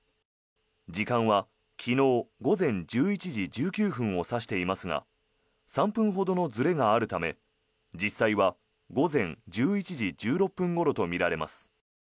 時間は昨日午前１１時１９分を指していますが３分ほどのずれがあるため実際は午前１１時１６分ごろとみられます。